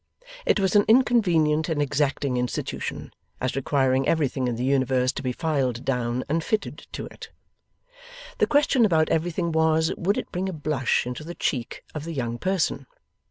It was an inconvenient and exacting institution, as requiring everything in the universe to be filed down and fitted to it. The question about everything was, would it bring a blush into the cheek of the young person?